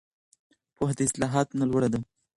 پوهه د اصطلاحاتو نه لوړه ده.